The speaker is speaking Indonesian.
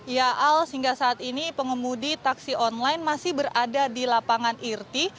ya al sehingga saat ini pengemudi taksi online masih berada di lapangan irti